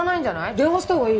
電話したほうがいいよ。